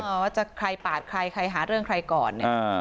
ว่าจะใครปาดใครใครหาเรื่องใครก่อนเนี่ย